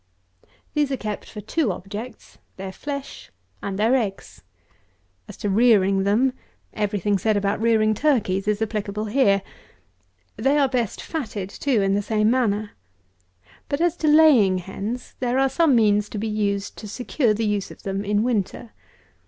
These are kept for two objects; their flesh and their eggs. As to rearing them, every thing said about rearing turkeys is applicable here. They are best fatted, too, in the same manner. But, as to laying hens, there are some means to be used to secure the use of them in winter.